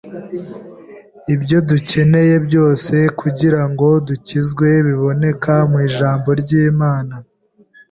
Ibyo dukeneye byose kugira ngo dukizwe biboneka mu Ijambo ry’Imana.